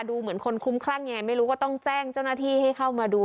เหมือนคนคลุ้มคลั่งยังไงไม่รู้ก็ต้องแจ้งเจ้าหน้าที่ให้เข้ามาดู